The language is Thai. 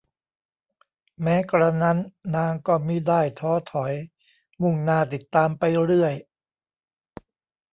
แม้กระนั้นนางก็มิได้ท้อถอยมุ่งหน้าติดตามไปเรื่อย